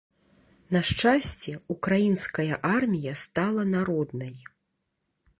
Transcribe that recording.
На шчасце, украінская армія стала народнай.